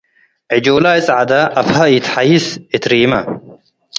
ዕጆላይ ጸዕደ አፍሀ ኢተሐይሰ እት ሪመ